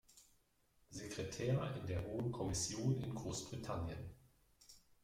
Sekretär in der Hohen Kommission in Großbritannien.